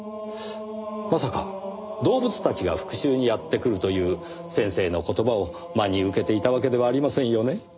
まさか動物たちが復讐にやって来るという先生の言葉を真に受けていたわけではありませんよね？